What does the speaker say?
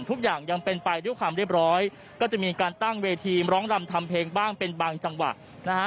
ทุกอย่างยังเป็นไปด้วยความเรียบร้อยก็จะมีการตั้งเวทีร้องรำทำเพลงบ้างเป็นบางจังหวะนะฮะ